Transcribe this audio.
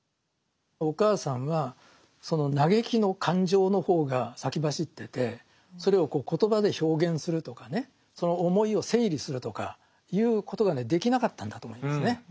お母さんはその嘆きの感情の方が先走っててそれを言葉で表現するとかねその思いを整理するとかいうことがねできなかったんだと思いますね